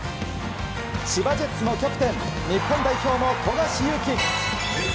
千葉ジェッツのキャプテン日本代表の富樫勇樹。